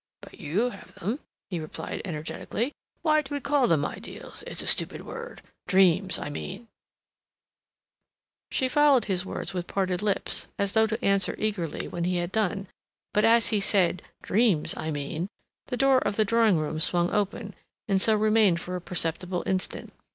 "But you have them," he replied energetically. "Why do we call them ideals? It's a stupid word. Dreams, I mean—" She followed his words with parted lips, as though to answer eagerly when he had done; but as he said, "Dreams, I mean," the door of the drawing room swung open, and so remained for a perceptible instant.